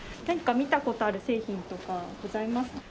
何か見た事ある製品とかございます？